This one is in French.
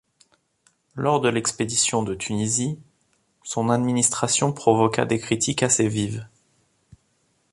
Lors de l'expédition de Tunisie, son administration provoqua des critiques assez vives.